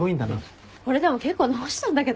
これでも結構直したんだけどね。